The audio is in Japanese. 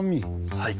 はい。